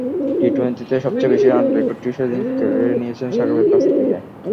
টি-টোয়েন্টিতে সবচেয়ে বেশি রানের রেকর্ডটিও সেদিন কেড়ে নিয়েছেন সাকিবের কাছ থেকে।